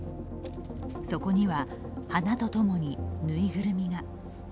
そこには花と共にぬいぐるみが。